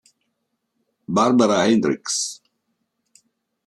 Barbara Hendricks